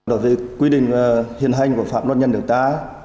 đối với quy định hiện hành của phạm luật nhân điều tá